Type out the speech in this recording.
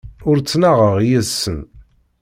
Ur ttnaɣeɣ yid-sen.